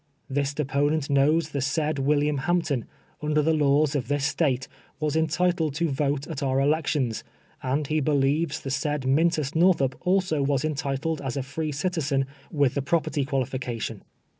This deponent knows the siiid Wil liam Hampton, under the laws of tliis State, was entitled to vote at our elections, and he believes the said Mmtus Northup also was entitled as a free citizen with tlie property qualifica APPENDIX. • 333 tion.